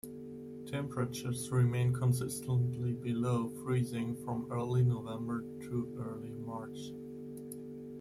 Temperatures remain consistently below freezing from early November to early March.